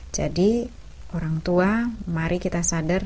jadi orang tua mari kita sadar